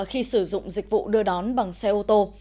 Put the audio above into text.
khi sử dụng dịch vụ đưa đón bằng xe ô tô